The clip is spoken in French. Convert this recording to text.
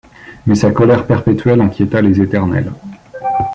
Mais sa colère perpétuelle inquiéta les Éternels.